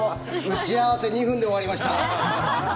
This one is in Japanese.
打ち合わせ２分で終わりました。